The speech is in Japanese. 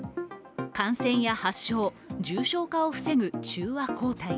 感染や発症、重症化を防ぐ中和抗体。